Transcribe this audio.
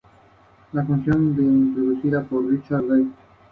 Este aspecto de la eugenesia ha sido históricamente contaminado con racismo científico.